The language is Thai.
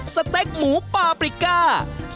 สเต็กหมูปาปริก้า